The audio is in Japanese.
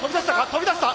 飛び出した！